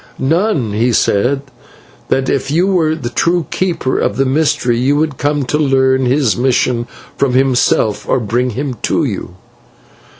"None. He said that if you were a true keeper of the mystery you would come to learn his mission from himself, or bring him to you."